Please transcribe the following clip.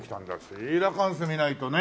シーラカンス見ないとね。